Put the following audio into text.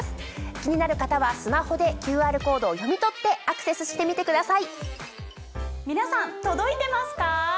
気になる方はスマホでＱＲコードを読み取ってアクセスしてみてください。